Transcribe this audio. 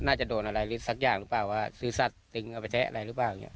น่าจะโดนอะไรหรือสักอย่างหรือเปล่าว่าซื่อสัตว์ตึงเอาไปแทะอะไรหรือเปล่าอย่างนี้